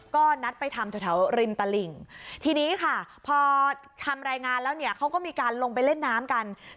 ก็นัดไปทำที่การลงไปเล่นน้ำกัน